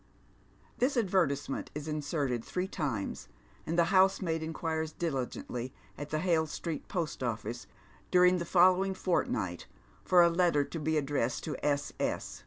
This advertisement is inserted three times, and the housemaid inquires diligently at the Hale Street Post Office during the fol lowing fortnight for a letter addressed to S. S.